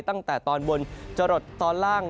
ตั้งแต่ตอนบนจรดตอนล่าง